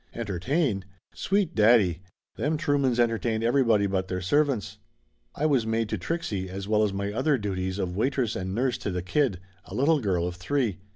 Entertain ? Sweet daddy ! Them Truemans entertained everybody but their servants. I was maid to Trixie as well as my other duties of waitress and nurse to the kid, a little girl of three.